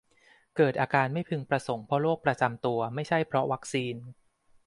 เกิดอาการไม่พึงประสงค์เพราะโรคประจำตัว ไม่ใช่เพราะวัคซีน